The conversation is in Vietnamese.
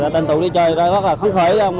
tên tụ đi chơi rất là khó khởi